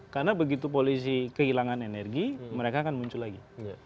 karena begitu polisi kehilangan energi mereka akan muncul lagi